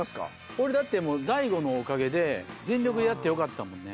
これだってもう大悟のおかげで全力でやってよかったもんね。